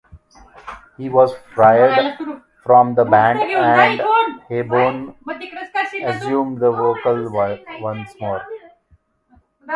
He was fired from the band and Heybourne assumed the vocals once more.